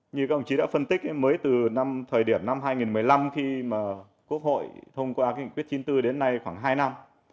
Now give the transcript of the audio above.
như các ông chí đã phân tích mới từ thời điểm năm hai nghìn một mươi năm khi mà quốc hội thông qua nghị quyết chín mươi bốn đến nay khoảng hai năm